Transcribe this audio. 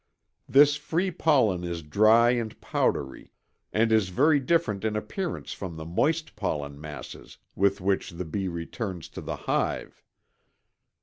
This free pollen is dry and powdery and is very different in appearance from the moist pollen masses with which the bee returns to the hive.